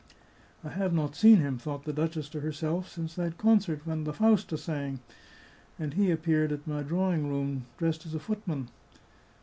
" I have not seen him," thought the duchess to herself, " since that concert when the Fausta sang, and he appeared at my drawing room door dressed as a footman.